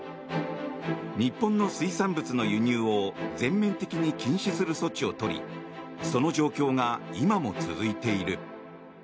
日本の水産物の輸入を全面的に禁止する措置を取りその状況が今も続いている。